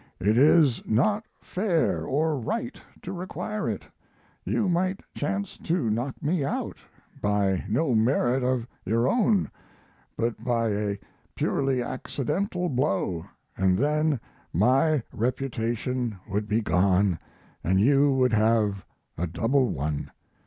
It is not fair or right to require it. You might chance to knock me out, by no merit of your own, but by a purely accidental blow, & then my reputation would be gone & you would have a double one.